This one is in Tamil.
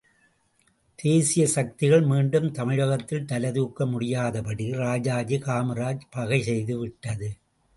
தேசீய சக்திகள் மீண்டும் தமிழகத்தில் தலைதூக்க முடியாதபடி ராஜாஜி காமராஜ் பகை செய்து விட்டது.